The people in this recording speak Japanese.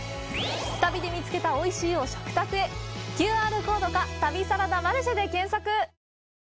“旅”で見つけた「美味しい」を食卓へＱＲコードか「旅サラダマルシェ」で検索。